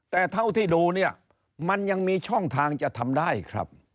แต่เท่าที่ดูเนี่ยมันยังมีช่องทางจะทำได้ครับ